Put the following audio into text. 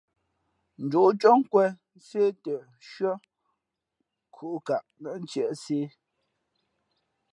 Njǒʼ cóh nkwēn sê nshʉ́ά kūʼkaʼ nά ntiē sē.